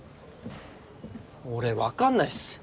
俺わかんないっす。